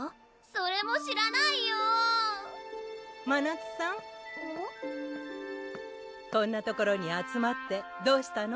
それも知らないよぉ・まなつさん・こんな所に集まってどうしたの？